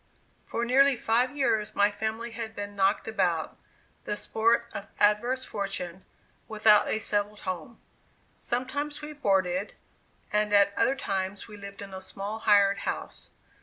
For nearly five years my family had been knocked about, the sport of adverse fortune, without a settled home. Sometimes we boarded, and at other times we lived in a small hired house.